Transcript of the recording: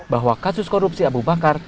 bahwa kasus korupsi abu bakar